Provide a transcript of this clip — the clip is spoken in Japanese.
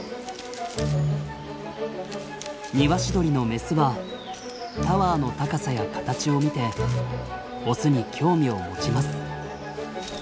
ニワシドリのメスはタワーの高さや形を見てオスに興味を持ちます。